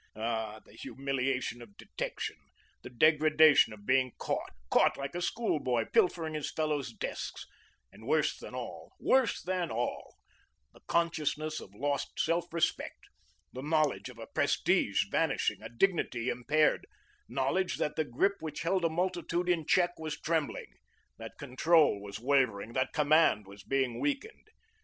Ah, the humiliation of detection, the degradation of being caught, caught like a schoolboy pilfering his fellows' desks, and, worse than all, worse than all, the consciousness of lost self respect, the knowledge of a prestige vanishing, a dignity impaired, knowledge that the grip which held a multitude in check was trembling, that control was wavering, that command was being weakened.